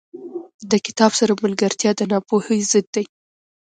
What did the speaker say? • د کتاب سره ملګرتیا، د ناپوهۍ ضد دی.